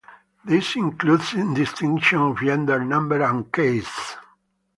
This includes distinctions of gender, number and case.